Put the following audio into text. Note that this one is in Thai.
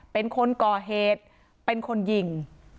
เป็นคนก่อเหตุเป็นคนยิง